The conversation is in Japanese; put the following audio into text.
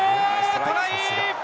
トライ。